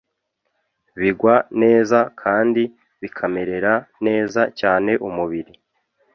bigwa neza kandi bikamerera neza cyane umubiri